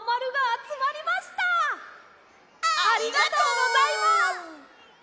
ありがとうございます。